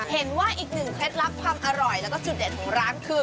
เห็นว่าอีกหนึ่งเคล็ดลับความอร่อยแล้วก็จุดเด่นของร้านคือ